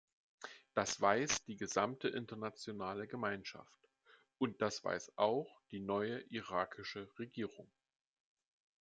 Das weiß die gesamte internationale Gemeinschaft, und das weiß auch die neue irakische Regierung.